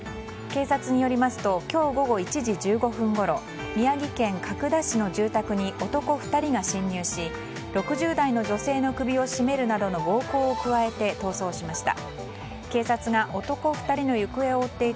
警察によりますと今日午後１時１５分ごろ宮城県角田市の住宅に男２人が侵入し６０代の女性の首を絞めるなどの暴行を加えて逃走しました。